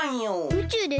宇宙です。